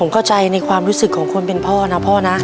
เข้าใจในความรู้สึกของคนเป็นพ่อนะพ่อนะ